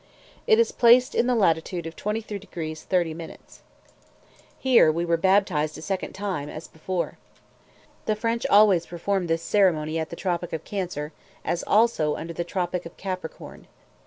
It is placed in the latitude of 23 deg. 30 min. Here we were baptized a second time, as before. The French always perform this ceremony at the tropic of Cancer, as also under the tropic of Capricorn.